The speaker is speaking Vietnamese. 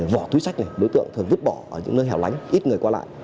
vỏ túi sách này đối tượng thường vứt bỏ ở những nơi hẻo lánh ít người qua lại